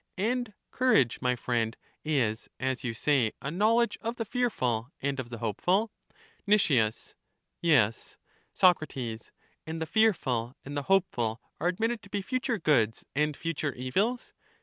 And courage, my friend, is, as you say, a knowledge of the fearful and of the hopeful? Nic, Yes. Soc, And the fearful, and the hopeful, are ad mitted to be future goods and future evils